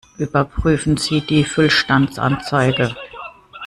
Überprüfen Sie die Füllstandsanzeige!